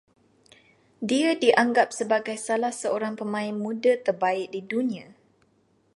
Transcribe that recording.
Dia dianggap sebagai salah seorang pemain muda terbaik di dunia